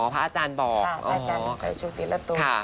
อ๋อพระอาจารย์บอกอ๋อพระอาจารย์ใจชูปิดแล้วตุ๊ก